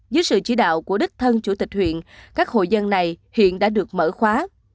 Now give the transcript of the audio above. dưới sự chỉ đạo của đích thân chủ tịch huyện các hội dân này hiện đã được mở khóa